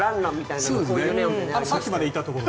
さっきまでいたところ？